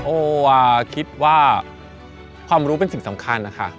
โอคิดว่าความรู้เป็นสิ่งสำคัญนะคะ